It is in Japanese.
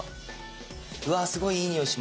すごいいい匂いします！